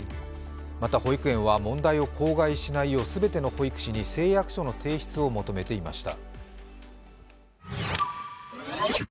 また保育園は問題を口外しないよう全ての保育士に誓約書の提出を求めていました。